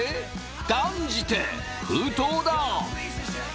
断じて封筒だ！